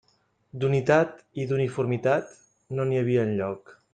D'unitat i d'uniformitat, no n'hi havia enlloc.